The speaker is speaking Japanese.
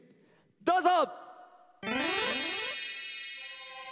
どうぞ！